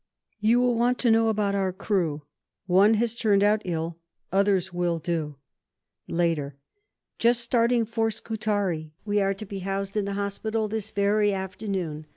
You will want to know about our crew. One has turned out ill, others will do. (Later) Just starting for Scutari. We are to be housed in the Hospital this very afternoon.